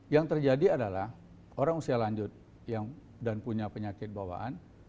yang terjadi adalah orang usia lanjut dan punya penyakit bawaan